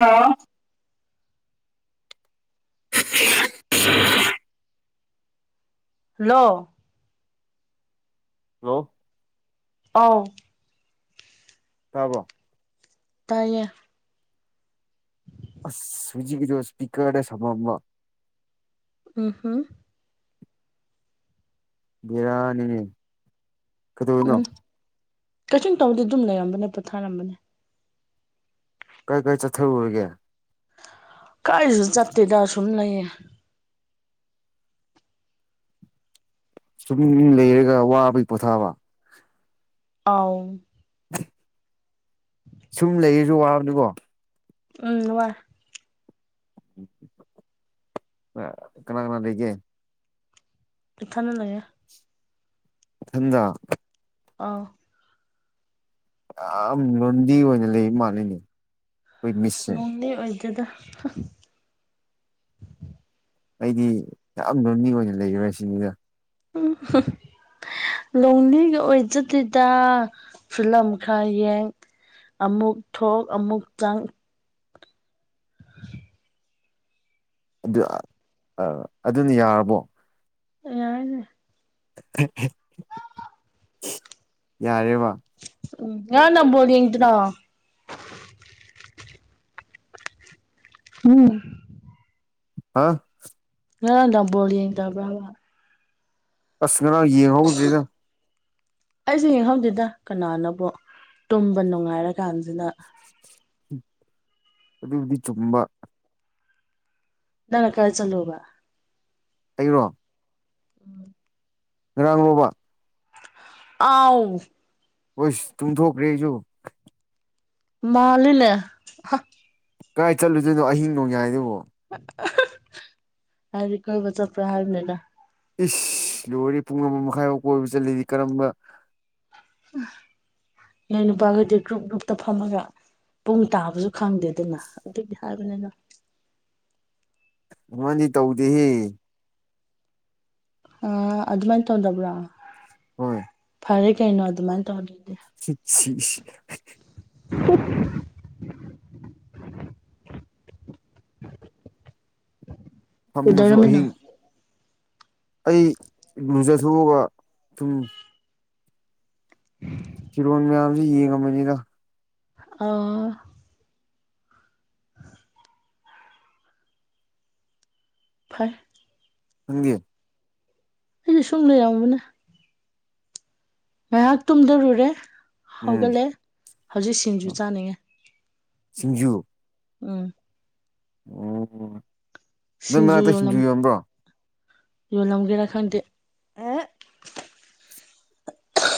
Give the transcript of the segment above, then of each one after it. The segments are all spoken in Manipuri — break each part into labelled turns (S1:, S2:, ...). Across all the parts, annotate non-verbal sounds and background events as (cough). S1: ꯍꯥꯥ (unintelligible)
S2: ꯍꯜꯂꯣ
S1: ꯂꯣ
S2: ꯑꯥꯎ
S1: ꯇꯥꯕ꯭ꯔꯣ
S2: ꯇꯥꯏꯌꯦ
S1: ꯑꯁ ꯍꯧꯖꯤꯛꯒꯤꯗꯣ ꯁ꯭ꯄꯤꯀ꯭ꯔꯗ ꯁꯝꯃꯛꯄ
S2: ꯎꯝ ꯍꯝ
S1: ꯕꯦꯔꯥꯅꯤꯅꯦ ꯀꯩꯗꯧꯔꯤꯅꯣ
S2: ꯎꯝ ꯀꯩꯁꯨꯨꯝ ꯇꯧꯗꯦ ꯑꯗꯨꯝ ꯂꯩꯔꯝꯕꯅꯦ ꯄꯣꯊꯥꯔꯝꯕꯅꯦ
S1: ꯀꯥꯏ ꯀꯥꯏ ꯆꯠꯊꯔꯨꯔꯒꯦ
S2: ꯀꯥꯏꯁꯨ ꯆꯠꯇꯦꯗ ꯁꯨꯝ ꯂꯩꯌꯦ
S1: ꯁꯨꯝ ꯂꯩꯔꯒ ꯋꯥꯕꯒꯤ ꯄꯣꯊꯥꯕ
S2: ꯑꯥꯎ
S1: (inaudible)
S2: (inaudible)
S1: ꯁꯨꯝ ꯂꯩꯔꯁꯨ ꯋꯥꯕꯅꯤꯀꯣ
S2: ꯎꯝ ꯋꯥꯏ
S1: (unintelligible) ꯀꯅꯥ ꯀꯅꯥ ꯂꯩꯒꯦ
S2: ꯏꯊꯟꯗ ꯂꯩꯌꯦ
S1: ꯏꯊꯟꯗ
S2: ꯑꯥ
S1: ꯌꯥꯝ ꯂꯣꯟꯂꯤ ꯑꯣꯏꯅ ꯂꯩ ꯃꯥꯜꯂꯦꯅꯦ
S2: ꯂꯣꯟꯂꯤ ꯑꯣꯏꯗꯦꯗ ꯍ
S1: ꯑꯩꯗꯤ ꯌꯥꯝ ꯂꯣꯟꯂꯤ ꯑꯣꯏꯅ ꯂꯩꯔꯤꯔꯥ ꯁꯤꯅꯤꯗ
S2: ꯎꯝ ꯍꯝ ꯂꯣꯡꯂꯤꯒ ꯑꯣꯏꯖꯗꯦꯗꯥ ꯐꯤꯂꯝ ꯈꯔ ꯌꯦꯡ ꯑꯃꯨꯛ ꯊꯣꯛ ꯑꯃꯨꯛ ꯆꯪ (unintelligible)
S1: ꯑꯗꯨ ꯑꯥ ꯑꯗꯨꯅ ꯌꯥꯔꯕꯣ
S2: ꯌꯥꯔꯅꯤ
S1: ꯍꯦ ꯍꯦ ꯌꯥꯔꯦꯕ
S2: ꯎꯝ ꯉꯔꯥꯡ ꯅꯨꯡꯗꯥꯡ ꯕꯣꯜ ꯌꯦꯡꯗ꯭ꯔꯣ ꯎꯝ
S1: ꯑꯥ
S2: ꯉꯔꯥꯡ ꯅꯨꯡꯗꯥꯡ ꯕꯣꯜ ꯌꯦꯡꯗꯕ꯭ꯔꯥ ꯍꯥꯏꯕꯥ
S1: ꯑꯁ ꯉꯔꯥꯡ ꯌꯦꯡꯍꯧꯗ꯭ꯔꯦꯗꯥ
S2: ꯑꯩꯁꯨ ꯌꯦꯡꯍꯧꯗꯦꯗ ꯀꯅꯥꯅꯕꯨ ꯇꯨꯝꯕ ꯅꯨꯡꯉꯥꯏꯔ ꯀꯥꯟꯖꯤꯗꯥ
S1: ꯑꯗꯨꯕꯨꯗꯤ ꯆꯨꯝꯕꯥ
S2: ꯅꯪꯅ ꯀꯥꯏ ꯆꯠꯂꯨꯕꯥ
S1: ꯑꯩꯔꯣ
S2: ꯎꯝ
S1: ꯉꯔꯥꯡꯔꯣꯕꯥ
S2: ꯑꯥꯎ
S1: ꯋꯦꯁ ꯇꯨꯝꯊꯣꯛꯈ꯭ꯔꯦ ꯑꯩꯖꯨ
S2: ꯃꯥꯜꯂꯤꯂꯦ
S1: ꯀꯥꯏ ꯆꯠꯂꯨꯗꯨꯏꯅꯣ ꯑꯍꯤꯡ ꯅꯣꯡꯌꯥꯏꯗꯕꯣ
S2: (unintelligible) ꯍꯥꯏꯗꯤ ꯀꯣꯏꯕ ꯆꯠꯄ꯭ꯔꯥ ꯍꯥꯏꯕꯅꯤꯗ
S1: ꯏꯁ ꯂꯣꯏꯔꯦ ꯄꯨꯡ ꯑꯃꯥ ꯃꯈꯥꯏꯕꯥꯎ ꯀꯣꯏꯕ ꯆꯠꯂꯗꯤ ꯀꯔꯝꯕ (unintelligible)
S2: ꯅꯣꯏ ꯅꯨꯄꯥꯒꯩꯗꯤ ꯒ꯭ꯔꯨꯞ ꯒ꯭ꯔꯨꯞꯇ ꯐꯝꯃꯒ ꯄꯨꯡ ꯇꯥꯕꯖꯨ ꯈꯪꯗꯦ ꯑꯗꯨꯅ ꯗꯨꯒꯤ ꯍꯥꯏꯕꯅꯤꯗ
S1: ꯃꯥꯗꯤ ꯇꯧꯗꯦꯍꯦ
S2: ꯑꯥ ꯑꯗꯨꯃꯥꯏꯟ ꯇꯧꯗꯕ꯭ꯔꯥ
S1: ꯍꯣꯏ
S2: ꯐꯔꯦ ꯀꯩꯅꯣ ꯑꯗꯨꯃꯥꯏꯟ ꯇꯧꯗꯔ꯭ ꯗꯤ
S1: ꯁꯤꯠ (unintelligible)
S2: ꯎ (inaudible)
S1: ꯐꯝꯃꯁꯨ
S2: ꯀꯩꯗꯧꯔꯝꯃꯤꯅꯣ
S1: ꯑꯍꯤꯡ ꯑꯩ ꯂꯨꯖꯊꯣꯛꯎꯕ ꯇꯨꯝ
S2: ꯎ (inaudible)
S1: ꯐꯤꯔꯣꯟ ꯃꯌꯥꯝꯁꯤ ꯌꯦꯡꯉꯝꯃꯤꯅꯤꯗ
S2: ꯑꯣ ꯐꯩ
S1: ꯅꯪꯗꯤ
S2: ꯑꯩꯁꯨ ꯁꯨꯝ ꯂꯩꯔꯝꯕꯅꯦ ꯉꯩꯍꯥꯛ ꯇꯨꯝꯗꯔꯨꯔꯦ
S1: ꯎꯝ
S2: ꯍꯧꯒꯠꯂꯦ ꯍꯧꯖꯤꯛ ꯁꯤꯡꯖꯨ ꯆꯥꯅꯤꯡꯉꯦ
S1: ꯁꯤꯡꯖꯨ
S2: ꯎꯝ
S1: ꯑꯣ ꯅꯣꯏ ꯃꯅꯥꯛꯇ ꯁꯤꯡꯖꯨ ꯌꯣꯟꯕ꯭ꯔꯣ
S2: ꯌꯣꯜꯂꯝꯒꯦꯔꯥ ꯈꯪꯗꯦ ꯑꯦ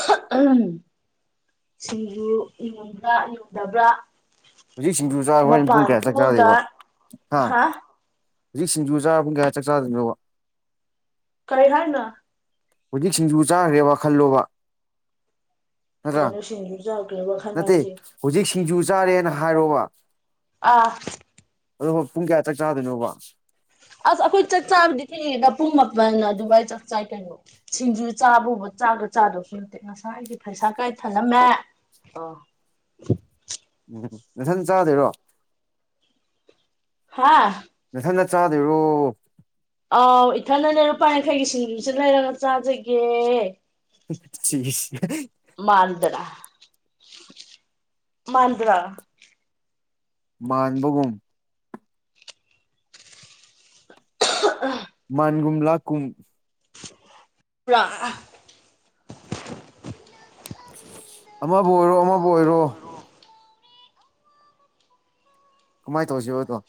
S2: (unintelligible) ꯁꯤꯡꯖꯨ ꯌꯣꯟꯕ꯭ꯔꯥ ꯌꯣꯟꯗꯕ꯭ꯔꯥ
S1: ꯍꯨꯖꯤꯛ ꯁꯤꯡꯖꯨ ꯆꯥꯔ ꯍꯣꯔꯦꯟ ꯄꯨꯡ
S2: ꯃꯄꯥꯟ
S1: ꯀꯌꯥ ꯆꯥꯛ
S2: ꯊꯣꯛꯑꯒ
S1: ꯆꯥꯗꯣꯏꯕ ꯍꯥ ꯍꯨꯖꯤꯛ ꯁꯤꯡꯖꯨ ꯆꯥꯔ ꯄꯨꯡ ꯀꯌꯥ ꯆꯥꯛ ꯆꯥꯗꯣꯏꯅꯣꯕ
S2: ꯀꯔꯤ ꯍꯥꯏꯅꯣ
S1: ꯍꯨꯖꯤꯛ ꯁꯤꯡꯖꯨ ꯆꯥꯈ꯭ꯔꯦꯕ ꯈꯜꯂꯣꯕ
S2: ꯀꯩꯅ‌ꯣ ꯁꯤꯡꯖꯨ ꯆꯥꯕ ꯀꯔꯤ ꯋꯥꯈꯟꯅ‌ꯣ ꯍꯥꯏꯖ‌ꯦ
S1: ꯍꯨꯖꯤꯛ ꯁꯤꯡꯖꯨ ꯆꯥꯔꯦꯅ ꯍꯥꯏꯔꯣꯋꯥ
S2: ꯑꯥ
S1: ꯑꯗꯣꯒ ꯄꯨꯡ ꯀꯌꯥ ꯆꯥꯛ ꯆꯥꯗꯣꯏꯅꯣꯕ
S2: ꯑꯁ ꯑꯩꯈꯣꯏ ꯆꯥꯛ ꯆꯥꯕꯗꯤ ꯊꯦꯡꯉꯤꯗ ꯄꯨꯡ ꯃꯥꯄꯟ ꯑꯗꯨꯋꯥꯏ ꯆꯥꯛ ꯆꯥꯏ ꯀꯩꯅꯣ ꯁꯤꯡꯖꯨ ꯆꯥꯕꯨꯕ ꯆꯥꯛꯀ ꯆꯥꯗꯧꯁꯨ ꯉꯁꯥꯏ ꯑꯩꯒꯤ ꯐꯩꯁꯥ ꯀꯥꯏ ꯊꯅꯝꯃꯦ ꯑꯣ
S1: ꯎꯝ ꯅꯊꯟ ꯆꯥꯗꯣꯏꯔꯣ
S2: ꯍꯥꯥ
S1: ꯅꯊꯟꯗ ꯆꯥꯗꯣꯏꯔꯣ
S2: ꯑꯥꯎ ꯏꯊꯟꯗꯅꯦ ꯂꯨꯄꯥ ꯌꯥꯡꯈꯩꯒꯤ ꯁꯤꯡꯖꯨꯁꯤ ꯂꯩꯔꯒ ꯆꯥꯖꯒꯦ
S1: ꯆꯤꯁ (unintelligible)
S2: ꯃꯥꯟꯗꯔ ꯃꯥꯟꯕ꯭ꯔ
S1: ꯃꯥꯟꯕꯒꯨꯝ
S2: (unintelligible)
S1: ꯃꯥꯟꯒꯨꯨꯝ ꯂꯥꯀꯨꯝ
S2: ꯄ꯭ꯔꯥ
S1: ꯑꯃꯕꯨ ꯑꯣꯏꯔꯣ ꯑꯃꯕꯨ ꯑꯣꯏꯔꯣ ꯀꯨꯃꯥꯏ ꯇꯧꯁꯤꯕ ꯑꯗꯣ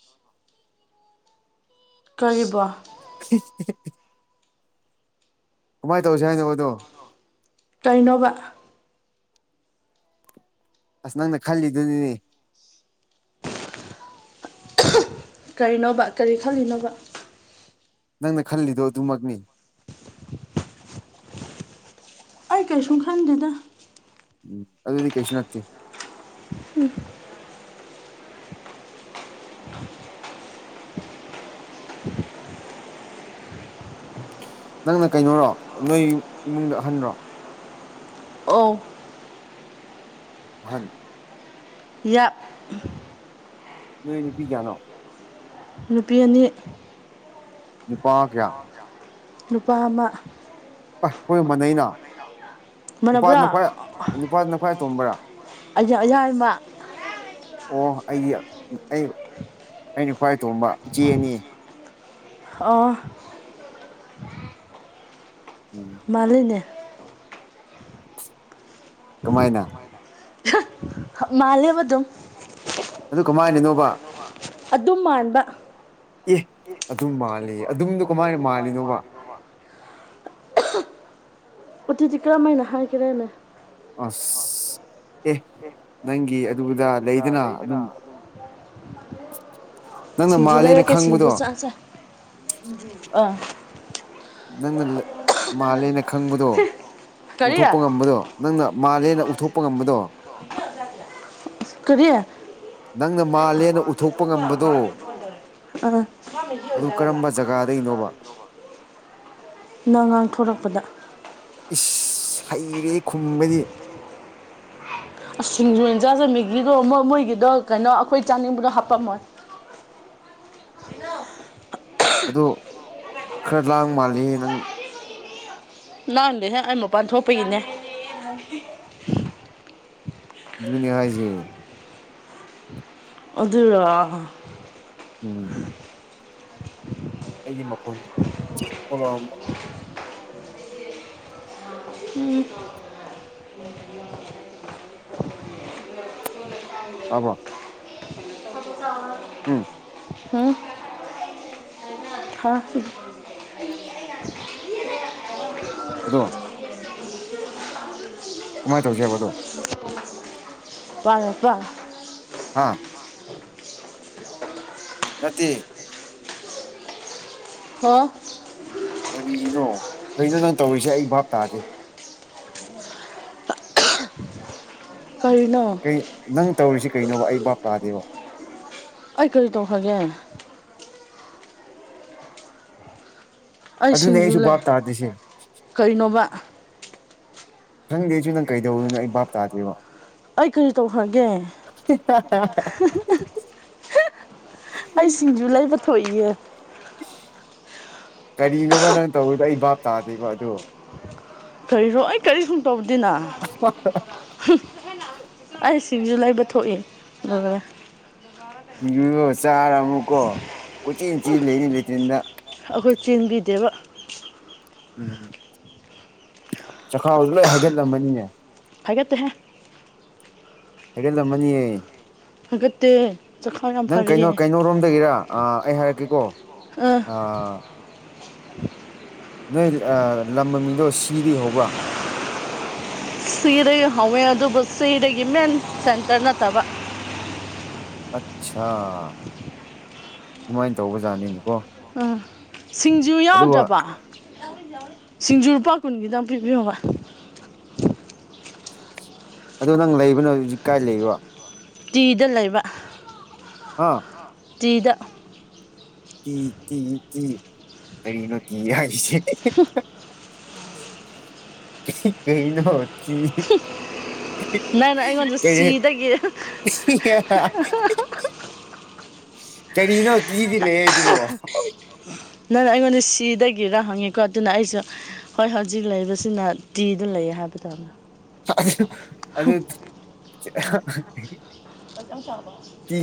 S2: ꯀꯩꯕꯣ
S1: (unintelligible) ꯀꯃꯥꯏ ꯇꯧꯁꯤ ꯍꯥꯏꯅꯣꯕꯗꯣ
S2: ꯀꯩꯅꯣꯕ
S1: ꯑꯁ ꯅꯪꯅ ꯈꯜꯂꯤꯗꯨꯅꯤꯅꯦ
S2: ꯀꯔꯤꯅꯣꯕ ꯀꯔꯤ ꯈꯜꯂꯤꯅꯣꯕ
S1: ꯅꯪꯅ ꯈꯜꯂꯤꯗꯣ ꯑꯗꯨꯃꯛꯅꯤ
S2: ꯑꯩ ꯀꯩꯁꯨꯝ ꯈꯟꯗꯦꯗ
S1: ꯎꯝ ꯑꯗꯨꯗꯤ ꯀꯩꯁꯨ ꯅꯠꯇꯦ
S2: ꯎꯝ
S1: ꯅꯪꯅ ꯀꯩꯅꯣꯔꯣ ꯅꯣꯏ ꯏꯃꯨꯡꯗ ꯑꯍꯟꯔꯣ
S2: ꯑꯣ
S1: ꯑꯍꯟ
S2: ꯌꯥꯛ
S1: ꯅꯣꯏ ꯅꯨꯄꯤ ꯀꯌꯥꯅꯣ
S2: ꯅꯨꯄꯤ ꯑꯅꯤ
S1: ꯅꯨꯄꯥ ꯀꯌꯥ
S2: ꯅꯨꯄꯥ ꯑꯃꯥ
S1: ꯑꯥ ꯑꯩꯈꯣꯏꯒ ꯃꯥꯟꯅꯩꯅ
S2: ꯃꯥꯟꯅꯕ꯭ꯔꯣ
S1: ꯅꯨꯄꯥꯗꯨꯅ ꯈ꯭ꯋꯥꯏ ꯅꯨꯄꯥꯗꯨꯅ ꯈ꯭ꯋꯥꯏ ꯑꯇꯣꯟꯕ꯭ꯔꯥ
S2: (unintelligible) ꯌꯥꯏꯃ
S1: ꯑꯣ ꯑꯩꯗꯤ ꯑꯩ ꯑꯩꯅ ꯈ꯭ꯋꯥꯏ ꯑꯇꯣꯝꯕ ꯏꯆꯦ ꯑꯅꯤ
S2: ꯑꯣ
S1: ꯎꯝ
S2: ꯃꯥꯜꯂꯤꯅꯦ
S1: ꯀꯃꯥꯏꯅ
S2: ꯍꯥ ꯃꯥꯜꯂꯦꯕ ꯗꯨꯝ
S1: ꯑꯗꯨ ꯀꯃꯥꯏꯅꯅꯣꯕ
S2: ꯑꯗꯨꯝ ꯃꯥꯟꯕ
S1: ꯑꯦ ꯑꯗꯨꯝ ꯃꯥꯜꯂꯦ ꯑꯗꯨꯝꯗꯨ
S2: ꯀꯃꯥꯢ ꯃꯥꯜꯂꯤꯅꯣꯕ ꯑꯗꯨꯗꯤ ꯀꯥꯔꯝꯃꯥꯏꯅ ꯍꯥꯏꯒꯦꯔꯅꯦ
S1: ꯑꯁ ꯑꯦ ꯅꯪꯒꯤ ꯑꯗꯨꯗ
S2: ꯎꯗ ꯂꯩꯩꯗꯅ ꯑꯗꯨꯝ
S1: ꯅꯪꯅ
S2: ꯁꯤꯡꯖꯨ
S1: ꯃꯥꯜꯂꯦꯅ
S2: ꯂꯩꯔꯛꯀꯦ ꯁꯤꯡꯖꯨ
S1: ꯈꯪꯕꯗꯣ
S2: ꯆꯥꯁꯦ ꯑꯥ
S1: ꯅꯪꯅ ꯂꯦ ꯃꯥꯜꯂꯦꯅꯦ ꯈꯪꯕꯗꯣ
S2: ꯀꯔꯤ
S1: ꯎꯊꯣꯛꯄ ꯉꯝꯕꯗꯣ ꯅꯪꯅ ꯃꯥꯜꯂꯦꯅ ꯎꯠꯊꯣꯛꯄ ꯉꯝꯕꯗꯣ
S2: ꯀꯔꯤ
S1: ꯅꯪꯅ ꯃꯥꯜꯂꯦꯅ ꯎꯠꯊꯣꯛ
S2: (unintelligible) ꯑꯥ, ꯃꯥꯏ ꯅꯨꯄꯤ
S1: ꯑꯗꯨ
S2: ꯑꯣꯏꯖꯥꯠꯂ, ꯀꯔꯝꯕ
S1: ꯖꯒꯥꯗꯒꯤꯅꯣꯕ
S2: ꯖꯥꯒꯗꯩꯅꯣꯕ ꯅꯪ ꯉꯥꯡꯊꯣꯔꯛꯄꯗ
S1: ꯏꯁ ꯍꯩꯔꯦ ꯈꯨꯝꯕꯗꯤ
S2: ꯑꯁ ꯁꯤꯡꯖꯨ ꯑꯣꯏ ꯆꯥꯖꯦ ꯃꯦꯒꯤꯗꯣ ꯃꯣꯢ ꯃꯣꯏꯒꯤꯗꯣ ꯀꯩꯅꯣ ꯑꯈꯣꯏ ꯆꯥꯅꯤꯡꯕꯗꯣ ꯍꯥꯞꯄꯝꯃꯣꯏ
S1: ꯑꯗꯣ ꯈꯔ ꯂꯥꯡ ꯃꯥꯜꯂꯤꯍꯦ ꯅꯪ
S2: ꯂꯥꯡꯗꯦ ꯍꯦ ꯑꯩ ꯃꯄꯥꯟ ꯊꯣꯛꯄꯒꯤꯅꯦ (unintelligible)
S1: ꯑꯗꯨꯅꯦ ꯍꯥꯏꯖꯦ
S2: ꯑꯗꯨꯔꯣ
S1: ꯎꯝ ꯑꯩꯗꯤ ꯃꯈꯣꯟ ꯆꯤꯛ ꯐꯥꯎ ꯂꯥꯎꯔꯝꯃꯣꯢ
S2: ꯎꯝ
S1: ꯇꯥꯕ꯭ꯔꯣ
S2: (unintelligible)
S1: ꯎꯝ
S2: ꯎꯝ ꯍꯥ (unintelligible)
S1: ꯑꯗꯣ ꯀꯃꯥꯏ ꯇꯧꯁꯦꯕ ꯑꯗꯣ
S2: ꯄꯥꯔꯄ
S1: ꯍꯥ ꯅꯠꯇꯦ
S2: ꯍꯣ
S1: ꯀꯔꯤꯅꯣ ꯀꯩꯅꯣ ꯅꯪ ꯇꯧꯔꯤꯁꯦ ꯑꯩ ꯚꯥꯞ ꯇꯥꯥꯗꯦ
S2: ꯀꯔꯤꯅꯣ
S1: ꯀꯩ ꯅꯪ ꯇꯧꯔꯤꯁꯤ ꯀꯩꯅꯣꯕ ꯑꯩ ꯕꯥꯞ ꯇꯥꯗꯦꯕ
S2: ꯑꯩ ꯀꯔꯤ ꯇꯧꯈ꯭ꯔꯒꯦ ꯑꯩ
S1: ꯑꯗꯨꯅꯦ
S2: ꯁꯤꯡꯖꯨ
S1: ꯑꯩꯁꯨ
S2: ꯂꯩ
S1: ꯚꯥꯞ ꯇꯥꯗ꯭ꯔꯤꯁꯦ
S2: ꯀꯩꯅꯣꯕ
S1: ꯈꯪꯗꯦ ꯑꯩꯁꯨ ꯅꯪ ꯀꯩꯗꯧꯋꯤꯅꯣ ꯑꯩ ꯕꯥꯞ ꯇꯥꯗꯦꯕ
S2: ꯑꯩ ꯀꯔꯤ ꯇꯧꯈ꯭ꯔꯒꯦ
S1: (unintelligible) (unintelligible)
S2: ꯑꯩ ꯁꯤꯡꯖꯨ ꯂꯩꯕ ꯊꯣꯛꯏꯌꯦ
S1: ꯀꯔꯤꯅꯣꯕ ꯅꯪ ꯇꯧꯔꯤꯗꯣ ꯑꯩ ꯚꯥꯞ ꯇꯥꯗꯦꯕ ꯑꯗꯣ
S2: ꯀꯔꯤꯔꯣ ꯑꯩ ꯀꯔꯤꯁꯨꯝ ꯇꯧꯗꯦꯅ
S1: ꯑꯁ ꯋꯥ
S2: ꯍꯨꯝ ꯑꯩ ꯁꯤꯡꯖꯨ ꯂꯩꯕ ꯊꯣꯛꯏ ꯗꯧꯔꯦ
S1: ꯁꯤꯡꯖꯨꯗꯣ ꯆꯥꯔ ꯑꯃꯨꯛꯀꯣ ꯀꯣꯏꯆꯦꯟ ꯆꯦꯟ ꯂꯩꯅꯤ ꯂꯦꯇ꯭ꯔꯤꯟꯗ
S2: ꯑꯩꯈꯣꯏ ꯆꯦꯟꯕꯤꯗꯦꯕ
S1: ꯎꯝ ꯆꯈꯥꯎꯁꯨ ꯂꯣꯏ ꯍꯩꯒꯠꯂꯝꯃꯅꯤꯅꯦ
S2: ꯍꯥꯏꯒꯠꯇꯦꯍꯦ
S1: ꯍꯩꯒꯠꯂꯝꯃꯅꯤꯌꯦ
S2: ꯐꯒꯠꯇꯦ
S1: ꯅꯪ ꯀꯩꯅꯣ ꯀꯩꯅꯣꯔꯣꯝꯗꯒꯤꯔ ꯑꯥ ꯑꯩ ꯍꯥꯏꯔꯛꯀꯦꯀꯣ
S2: ꯑꯥ
S1: ꯅꯣꯏ ꯑ ꯂꯝ ꯃꯃꯤꯡꯗꯣ ꯁꯤꯗꯒꯤ ꯍꯧꯕ꯭ꯔꯥ
S2: ꯁꯤꯗꯒꯤ ꯍꯧꯋꯦ ꯑꯗꯨꯕꯨ ꯁꯤꯗꯒꯤ ꯃꯦꯟ ꯁꯦꯟꯇꯔ ꯅꯠꯇꯕ
S1: ꯑꯠꯁꯥ ꯑꯗꯨꯃꯥꯏ ꯇꯧꯕ ꯖꯥꯠꯅꯤꯅꯤꯀꯣ
S2: ꯑꯥ ꯁꯤꯡꯖꯨ ꯌꯥꯎꯗ꯭ꯔꯕ ꯌꯥꯎꯔꯤ ꯌꯥꯎꯔꯤ ꯁꯤꯡꯖꯨ ꯂꯨꯄꯥ ꯀꯨꯟꯒꯤꯗꯪ ꯄꯤꯕꯤꯌꯣꯕ
S1: ꯑꯗꯣ ꯅꯪ ꯂꯩꯕꯅ ꯍꯧꯖꯤꯛ ꯀꯥꯏ ꯂꯩꯕ
S2: ꯇꯤꯗ ꯂꯩꯕ
S1: ꯑꯥ
S2: ꯇꯤꯗ
S1: ꯇꯤ ꯇꯤ ꯇꯤ ꯀꯔꯤꯅꯣ ꯇꯤ ꯍꯥꯏꯁꯦ ꯀꯩꯅꯣ ꯇꯤ
S2: ꯅꯪꯅ ꯑꯩꯉꯣꯟꯗ ꯁꯤꯗꯒꯤ
S1: (unintelligible) ꯀꯔꯤꯅꯣ ꯇꯤꯗ ꯂꯩꯌꯦ ꯍꯥꯏꯗꯨꯕꯣ
S2: ꯅꯪꯅ ꯑꯩꯉꯣꯟꯗ ꯁꯤꯗꯒꯤꯔ ꯍꯪꯉꯤꯀꯣ ꯑꯗꯨꯅ ꯑꯩꯁꯨ ꯍꯣꯏ ꯍꯧꯖꯤꯛ ꯂꯩꯕꯁꯤꯅ ꯇꯤꯗ ꯂꯩꯌꯦ ꯍꯥꯏꯕꯗꯣ
S1: ꯑꯗꯨ ꯇꯤ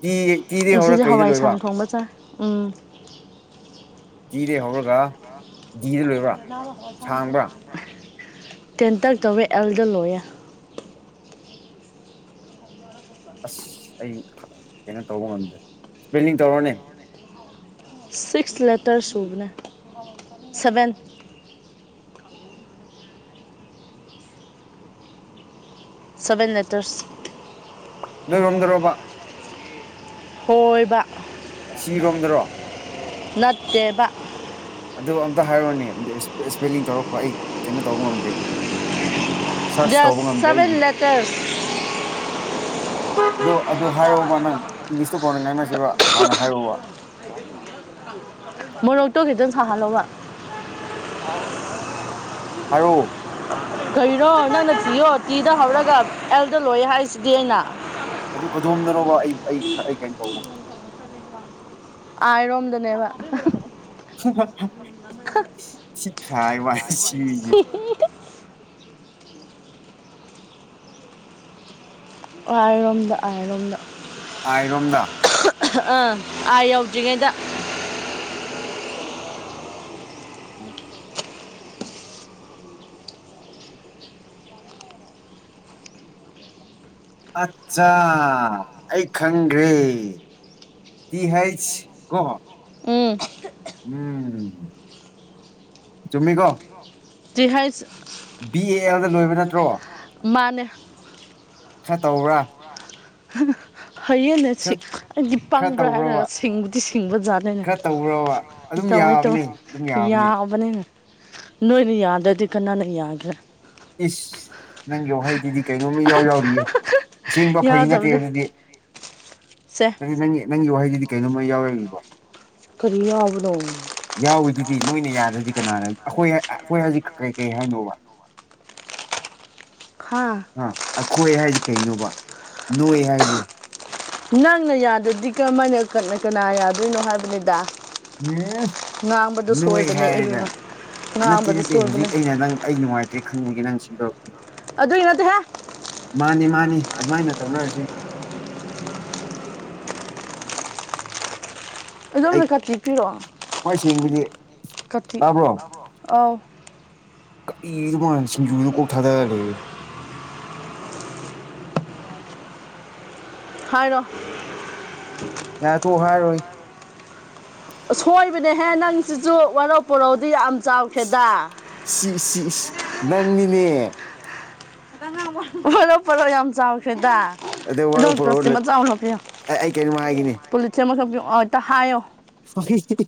S1: ꯇꯤ ꯇꯤꯗ ꯍꯧꯔ
S2: ꯉꯁꯤꯁꯦ
S1: ꯀꯩꯗ ꯂꯣꯏꯕ
S2: ꯍꯋꯥꯏꯁꯥꯡ ꯊꯣꯡꯕ ꯆꯥꯏ ꯎꯝ
S1: ꯇꯤꯗꯩ ꯍꯧꯔꯒ ꯗꯤꯗ ꯂꯣꯏꯕꯥ
S2: ꯇꯦꯟ ꯇꯛ ꯇꯧꯌꯦ ꯑꯦꯜꯗ ꯂꯣꯏꯌꯦ
S1: ꯑꯁ ꯑꯩ ꯀꯩꯅꯣ ꯇꯧꯕ ꯉꯝꯗ꯭ꯔꯦ ꯁꯄꯦꯂꯤꯡ ꯇꯧꯔꯑꯣꯅꯦ
S2: ꯁꯤꯛꯁ ꯂꯦꯇꯔ ꯁꯨꯕꯅꯦ ꯁꯚꯦꯟ꯫ Seven letters.
S1: ꯅꯣꯏꯔꯣꯝꯗꯔꯣꯕ꯫
S2: ꯍꯣꯏꯕ
S1: ꯁꯤꯔꯣꯝꯗꯔꯣ
S2: ꯅꯠꯇꯦꯕ꯫
S1: ꯑꯗꯨ ꯑꯝꯇ ꯍꯥꯏꯔꯣꯅꯦ ꯏꯁ ꯏꯁꯄꯦꯂꯤꯡ ꯇꯧꯔꯛꯄ ꯑꯩ ꯀꯩꯅꯣ ꯇꯧꯕ ꯉꯝꯗꯦ꯫ ꯁꯔ꯭ꯁ ꯇꯧꯕ
S2: ꯖꯁ
S1: ꯉꯝꯗ꯭ꯔꯦ ꯑꯩꯒꯤ꯫
S2: ꯁꯚꯦꯟ ꯂꯦꯇꯔꯁ
S1: ꯑꯗꯣ ꯑꯗꯣ ꯍꯥꯏꯌꯣꯕ ꯅꯪ ꯏꯪꯂꯤꯁꯇꯣ ꯀꯣꯟꯅ ꯉꯥꯡꯅꯁꯦꯕ ꯍꯥꯟꯅ ꯍꯥꯏꯌꯣꯕ꯫
S2: ꯃꯣꯔꯣꯛꯇꯣ ꯈꯤꯇꯪ ꯁꯍꯜꯂꯣꯕ꯫
S1: ꯍꯥꯏꯔꯣ꯫
S2: ꯀꯔꯤꯔꯣ ꯅꯪꯅ ꯊꯤꯌꯣ ꯇꯤꯗ ꯍꯧꯔꯒ ꯑꯦꯜꯗ ꯂꯣꯏꯌꯦ ꯍꯥꯏꯁꯤꯗꯤ ꯑꯩꯅ꯫
S1: ꯑꯗꯨ ꯀꯗꯣꯝꯗꯅꯣꯕ ꯑꯩ ꯑꯩ ꯑꯩ ꯀꯩꯅꯣ ꯇꯧꯕ
S2: ꯑꯥꯏ ꯔꯣꯝꯗꯅꯦꯕ꯫
S1: (unintelligible) ꯁꯤ ꯈꯥꯏꯕꯋꯥꯅꯤ ꯁꯤ ꯃꯤꯁꯤ
S2: ꯑꯥꯏ ꯔꯣꯝꯗ ꯑꯥꯏ ꯔꯣꯝꯗ꯫
S1: ꯑꯥꯏꯔꯣꯝꯗ꯫
S2: ꯑꯥ ꯑꯥ ꯑꯥꯏ ꯌꯧꯗ꯭ꯔꯤꯉꯩꯗ꯫
S1: (inaudible) ꯑꯆꯥ ꯑꯩ ꯈꯪꯒ꯭ꯔꯦ꯫ ꯇꯤ ꯍꯩꯁ ꯀꯣ
S2: ꯎꯝ
S1: ꯎꯝ ꯆꯨꯝꯃꯤ ꯀꯣ꯫
S2: ꯇꯤꯍꯩꯁ꯫
S1: ꯕꯤ ꯑꯦ ꯑꯦꯜꯗ ꯂꯣꯏꯕ ꯅꯠꯇ꯭ꯔꯣ꯫
S2: ꯃꯥꯅꯦ꯫
S1: ꯈꯔ ꯇꯧꯕ꯭ꯔꯥ꯫
S2: ꯍꯥ ꯍꯩꯌꯦꯅꯦ꯫
S1: ꯈꯔ
S2: ꯑꯩꯗꯤ
S1: ꯈꯔ
S2: ꯄꯪꯕ꯭ꯔꯥ
S1: ꯇꯧꯕ꯭ꯔꯕ
S2: ꯍꯥꯏꯔꯒ ꯁꯤꯡꯗꯤ ꯁꯤꯡꯕ ꯖꯥꯠꯅꯤꯅꯦ
S1: ꯈꯔ ꯇꯧꯕ꯭ꯔꯕ ꯑꯗꯨꯝ
S2: ꯇꯧꯋꯦ
S1: ꯌꯥꯕꯅꯤ ꯑꯗꯨꯝ
S2: ꯇꯧꯋꯦ
S1: ꯌꯥꯕꯅꯤ
S2: ꯌꯥꯕꯅꯦ ꯅꯣꯏꯅ ꯌꯥꯗ꯭ꯔꯗꯤ ꯀꯅꯥꯅ ꯌꯥꯒꯦꯔꯥ꯫
S1: ꯏꯁ ꯅꯪꯒꯤ ꯋꯥꯍꯩꯗꯨꯗꯤ ꯀꯩꯅꯣꯝꯃ ꯏꯌꯥꯎ ꯌꯥꯎꯔꯤꯌꯦ ꯁꯦꯡꯕ ꯐꯥꯒꯤ ꯅꯠꯇꯦ
S2: ꯌꯥꯎꯗꯕꯅꯦ
S1: ꯑꯗꯨꯗꯤ
S2: ꯁꯦ
S1: ꯅꯪꯒꯤ ꯅꯪꯒꯤ ꯅꯪꯒꯤ ꯋꯥꯍꯩꯗꯨꯗꯤ ꯀꯩꯅꯣꯝ ꯏꯌꯥꯎ ꯌꯥꯎꯔꯤꯕ
S2: ꯀꯔꯤ ꯌꯥꯎꯕꯅꯣ꯫
S1: ꯌꯥꯎꯔꯤꯗꯨꯗꯤ ꯅꯣꯏꯅ ꯌꯥꯗ꯭ꯔꯗꯤ ꯀꯅꯥꯅ ꯑꯩꯈꯣꯏ ꯑꯩꯈꯣꯏ ꯍꯧꯖꯤꯛ ꯀꯩ ꯀꯩ ꯍꯥꯏꯅꯣꯕ꯫
S2: ꯍꯥꯥ꯫
S1: ꯑꯥ ꯑꯩꯈꯣꯏ ꯍꯥꯏꯁꯦ ꯀꯩꯅꯣꯕ ꯅꯣꯏ ꯍꯥꯏꯖꯦ꯫
S2: ꯅꯪꯅ ꯌꯥꯗꯗꯤ ꯀꯃꯥꯏꯅ ꯀꯅꯥ ꯀꯅꯥ ꯌꯥꯗꯣꯏꯅꯣ ꯍꯥꯏꯕꯅꯤꯗ꯫
S1: ꯎꯝ
S2: ꯉꯥꯡꯕꯗꯨ
S1: ꯅꯣꯏ
S2: ꯁꯣꯏꯕꯅꯦ
S1: ꯍꯥꯏꯔꯒ
S2: ꯑꯩꯗꯧꯅ꯫
S1: ꯅꯠꯇꯦ ꯅꯠꯇꯦ ꯍꯧꯖꯤꯛ ꯑꯩꯅ ꯅꯪ ꯑꯩ ꯅꯨꯡꯉꯥꯏꯇ꯭ꯔꯦ ꯈꯪꯕꯒꯤ ꯅꯪ ꯁꯦꯝꯗꯣꯔꯛꯄꯅꯤ꯫
S2: ꯑꯗꯨꯒꯤ ꯅꯠꯇꯦꯍꯦ꯫
S1: ꯃꯥꯟꯅꯤ ꯃꯥꯟꯅꯤ ꯑꯗꯨꯃꯥꯏꯅ ꯇꯧꯅꯔꯁꯤ꯫ ꯑꯩ
S2: ꯑꯗꯨꯗꯣꯝꯗ ꯀꯥꯇꯤ ꯄꯤꯔꯛꯑꯣ
S1: ꯈ꯭ꯋꯥꯏ ꯁꯦꯡꯕꯗꯤ
S2: ꯀꯥꯇꯤ
S1: ꯇꯥꯕ꯭ꯔꯣ
S2: ꯑꯧ
S1: ꯀꯔꯤꯅꯣ ꯃꯅꯥ ꯁꯤꯡꯖꯨꯗ ꯀꯣꯛ ꯊꯥꯗꯔ ꯂꯩꯔꯦ
S2: ꯍꯥꯏꯔꯣ꯫
S1: ꯌꯥꯔꯦ ꯇꯣꯛ ꯍꯥꯏꯔꯣꯏ꯫
S2: ꯁꯣꯏꯕꯅꯦꯍꯦ ꯅꯪ ꯁꯤꯁꯨ ꯋꯥꯔꯧ ꯄꯨꯔꯧꯗꯤ ꯌꯥꯝ ꯆꯥꯎꯈ꯭ꯔꯦꯗ꯫
S1: ꯁꯤ ꯁꯤ ꯅꯪꯅꯤꯅꯦ꯫
S2: (unintelligible) ꯋꯔꯧ ꯄꯨꯡꯂꯧ ꯌꯥꯝ ꯆꯥꯎꯈ꯭ꯔꯦꯗ꯫
S1: ꯑꯗ
S2: ꯑꯗꯣ
S1: ꯋꯥꯔꯧ ꯄꯨꯔꯧ
S2: ꯄ꯭ꯂꯇꯤ ꯃꯆꯥ ꯍꯥꯞꯄꯤꯌꯣ
S1: ꯑꯩ ꯀꯩꯅꯣꯝ
S2: ꯀꯔꯤ
S1: ꯍꯥꯏꯒꯦꯅꯦ
S2: ꯄꯣꯂꯤꯊꯤꯜ ꯑꯃꯇ ꯄꯤꯌꯣ ꯑꯝꯇ ꯍꯥꯏꯌꯣ
S1: (unintelligible)